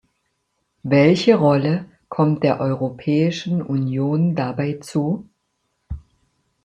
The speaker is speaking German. Welche Rolle kommt der Europäischen Union dabei zu?